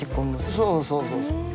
そうそうそうそう。